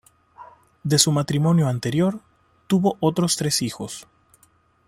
De su matrimonio anterior tuvo otros tres hijos.